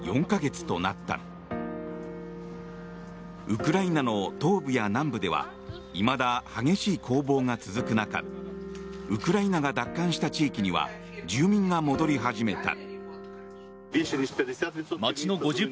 ウクライナの東部や南部ではいまだ激しい攻防が続く中ウクライナが奪還した地域には住民が戻り始めた。